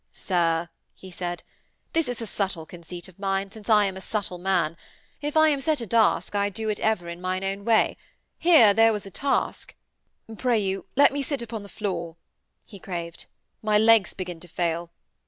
'Sir,' he said, 'this is a subtle conceit of mine, since I am a subtle man. If I am set a task I do it ever in mine own way. Here there was a task.... 'Pray you let me sit upon the floor!' he craved. 'My legs begin to fail.'